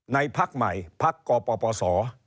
ในพักใหม่พักกปส